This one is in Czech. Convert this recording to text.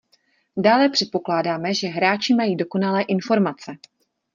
Dále předpokládáme, že hráči mají dokonalé informace